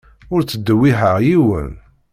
Ur ttdewwiḥeɣ yiwen.